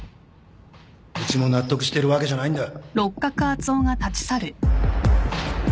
うちも納得してるわけじゃないんだ。